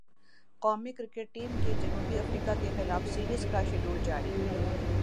قومی cricket team کے جنوبی افریقہ کیخلاف سیریز کا شیڈول جاری